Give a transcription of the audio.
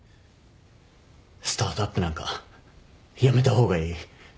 スタートアップなんかやめた方がいい。